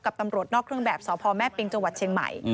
ตำรวจนอกเครื่องแบบสพแม่ปิงจังหวัดเชียงใหม่